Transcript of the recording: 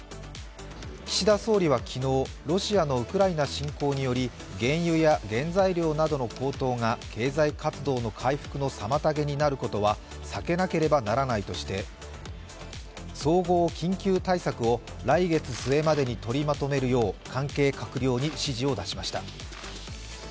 岸田総理は昨日ロシアのウクライナ侵攻により原油や原材料などの高騰が経済活動の回復の妨げになることは避けなければならないとして総合緊急対策を来月末までに取りまとめるよう関係閣僚に指示を出しました。